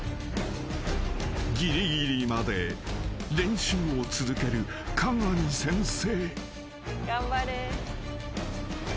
［ぎりぎりまで練習を続ける加賀美先生］